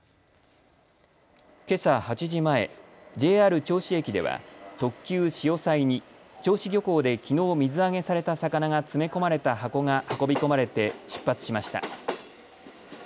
けさ８時前、ＪＲ銚子駅では特急しおさいに銚子漁港できのう水揚げされた魚が詰め込まれた箱が運び込まれて出発しました。